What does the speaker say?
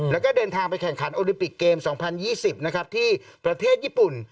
แล้วก็เดินทางไปแข่งขันโอลิมปิกเกม๒๐๒๐นะครับที่ประเทศญี่ปุ่น